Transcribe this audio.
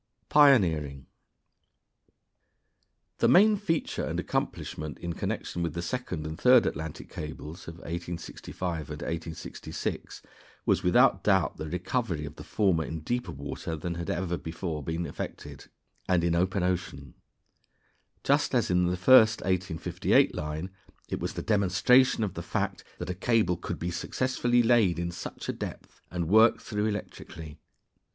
] Pioneering. The main feature and accomplishment in connection with the second and third Atlantic cables of 1865 and 1866 was, without doubt, the recovery of the former in deeper water than had ever been before effected, and in the open ocean; just as in the first 1858 line it was the demonstration of the fact that a cable could be successfully laid in such a depth and worked through electrically.